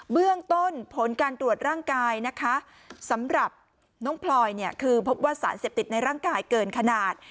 เบื้องต้นผลการตรวจร่างกายนะคะสำหรับน้องพลอยเนี่ยคือพบว่าสารเสพติดในร่างกายเกินขนาด